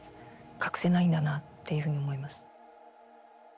隠せないんだなっていうふうに思います。